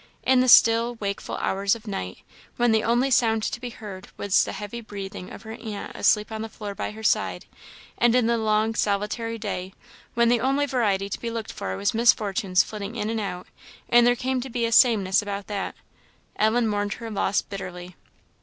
In the still, wakeful hours of night, when the only sound to be heard was the heavy breathing of her aunt asleep on the floor by her side; and in the long, solitary day, when the only variety to be looked for was Miss Fortune's flitting in and out, and there came to be a sameness about that Ellen mourned her loss bitterly.